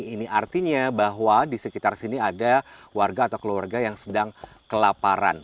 ini artinya bahwa di sekitar sini ada warga atau keluarga yang sedang kelaparan